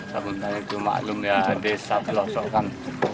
sabuntan itu maklum ya desa pelosokan